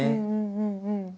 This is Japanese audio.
うんうん。